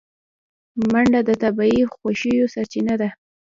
منډه د طبیعي خوښیو سرچینه ده